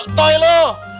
situ yang sotoy